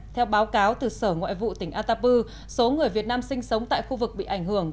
theo báo cáo từ sở ngoại vụ tỉnh atapu số người việt nam sinh sống tại khu vực bị ảnh hưởng